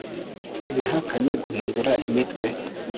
nahakanye guhindura imitwe